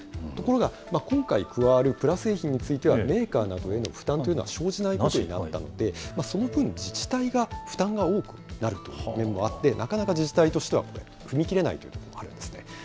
ところが、今回加わるプラ製品については、メーカーなどへの負担というのは、生じないことになったので、その分、自治体が負担が多くなるという面もあって、なかなか自治体としては踏み切れないところがあるんですね。